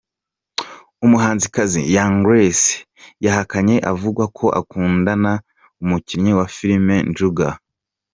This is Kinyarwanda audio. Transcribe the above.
Umuhanzikazi Young Grace yahakanye avugwa ko akundana n’ umukinnyi wa filime Njuga .